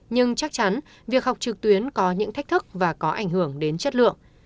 nhưng chắc chắn việc học trực tuyến có những thách thức và có ảnh hưởng đến chất lượng